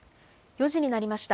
４時になりました。